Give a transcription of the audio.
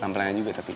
lampangnya juga tapi